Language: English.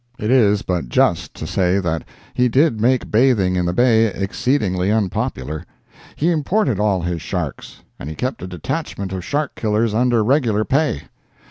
It is but just to say that he did make bathing in the Bay exceedingly unpopular. He imported all his sharks, and he kept a detachment of shark killers under regular pay.